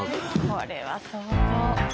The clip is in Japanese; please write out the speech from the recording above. これは相当。